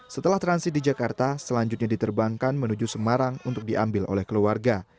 setelah transit di jakarta selanjutnya diterbangkan menuju semarang untuk diambil oleh keluarga